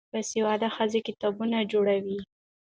باسواده ښځې کتابتونونه جوړوي.